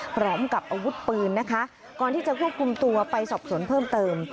พร้อมกับอาวุธปืนนะคะก่อนที่จะควบคุมตัวไปสอบสวนเพิ่มเติม